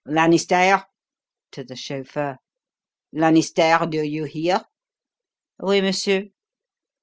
Lanisterre!" to the chauffeur "Lanisterre, do you hear?" "Oui, monsieur."